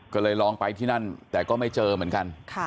ก็เลยลองไปที่นั่นแต่ก็ไม่เจอเหมือนกัน